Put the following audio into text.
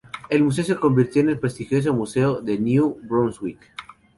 El museo se convirtió en el prestigioso Museo de New Brunswick.